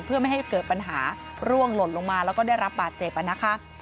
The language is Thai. เพื่อไม่ให้เกิดปัญหาร่วงหล่นลงมาแล้วก็ได้รับบาดเจ็บนะคะ